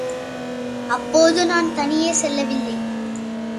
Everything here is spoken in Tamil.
அப்போது நான் தனியே செல்லவில்லை.